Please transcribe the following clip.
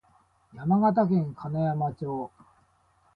山形県金山町